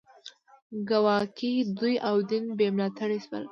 ګواکې دوی او دین بې ملاتړي شول